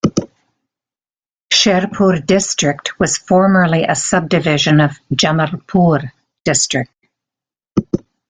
Sherpur district was formerly a sub-division of Jamalpur district.